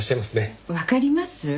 わかります？